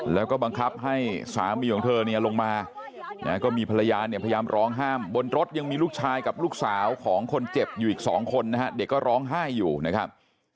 แล้วก็บังคับให้สามีของเธอเนี่ยลงมาก็มีภรรยาเนี่ยพยายามร้องห้ามบนรถยังมีลูกชายกับลูกสาวของคนเจ็บอยู่อีก๒คนนะฮะเด็กก็ร้องไห้อยู่นะครับ